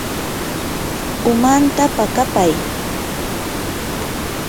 umanta paqapay.